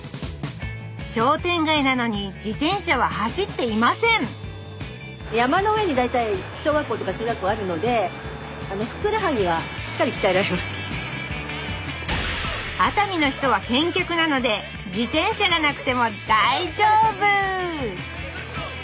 商店街なのに自転車は走っていません熱海の人は健脚なので自転車がなくても大丈夫！